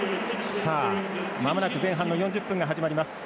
まもなく前半の４０分が始まります。